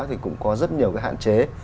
thì cũng có rất nhiều hạn chế